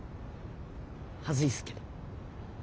恥ずいっすけど。